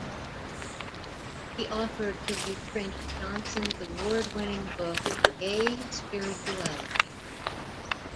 He offered to reprint Johnson's award-winning book, Gay Spirituality.